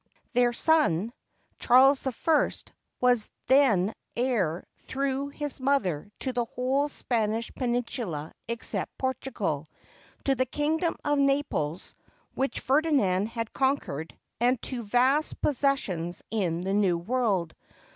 Their son, Charles I, was then heir through his mother to the whole Spanish peninsula except Portugal, to the kingdom of Naples, which Ferdinand had conquered, and to vast possessions in the New World.